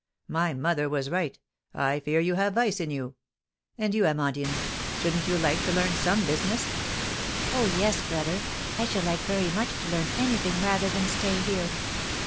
My mother was right, I fear you have vice in you. And you, Amandine, shouldn't you like to learn some business?" "Oh, yes, brother; I should like very much to learn anything rather than stay here.